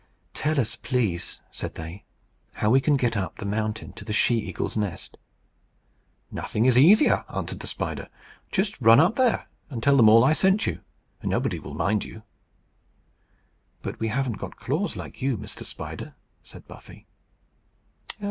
"Tell us, please," said they, "how we can get up the mountain to the she eagle's nest." "Nothing is easier," answered the spider. "Just run up there, and tell them all I sent you, and nobody will mind you." "But we haven't got claws like you, Mr. Spider," said Buffy.